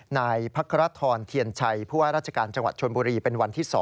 ในภรรษฐรเทียนชัยเพราะว่าราชการจังหวัดชนบุรีเป็นวันที่๒